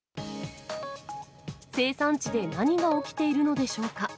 生産地で何が起きているのでしょうか。